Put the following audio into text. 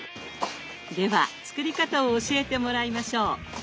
では作り方を教えてもらいましょう。